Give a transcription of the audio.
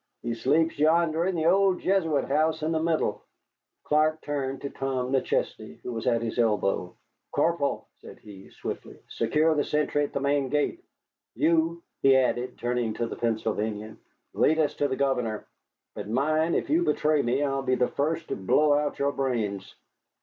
"He sleeps yonder in the old Jesuit house in the middle." Clark turned to Tom McChesney, who was at his elbow. "Corporal!" said he, swiftly, "secure the sentry at the main gate! You," he added, turning to the Pennsylvanian, "lead us to the governor. But mind, if you betray me, I'll be the first to blow out your brains."